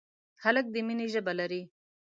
هلک د مینې ژبه لري.